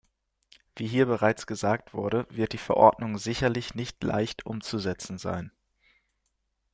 Wie hier bereits gesagt wurde, wird die Verordnung sicherlich nicht leicht umzusetzen sein.